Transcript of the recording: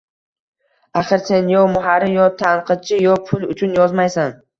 Axir, sen yo muharrir, yo tanqidchi, yo pul uchun yozmaysan